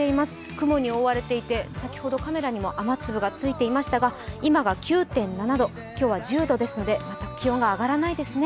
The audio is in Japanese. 雲に覆われていて、先ほど、カメラにも雨粒がついていましたが今が９．７度、今日は１０度ですので、気温が上がらないですね。